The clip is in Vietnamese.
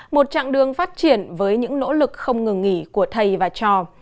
một chặng đường phát triển với những nỗ lực không ngừng nghỉ của thầy và trò